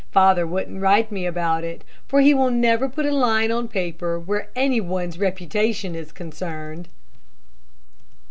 Father wouldn't write me about it, for he never will put a line on paper where any one's reputation is concerned."